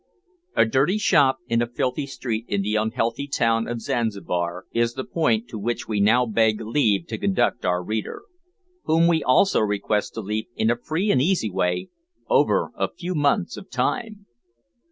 A dirty shop, in a filthy street in the unhealthy town of Zanzibar, is the point to which we now beg leave to conduct our reader whom we also request to leap, in a free and easy way, over a few months of time!